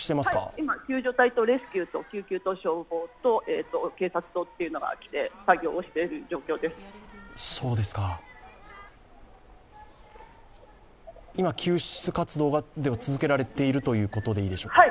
はい、今、救助隊とレスキューと救急と消防と警察が来て、作業している状況です今、救出活動が続けられているということですか。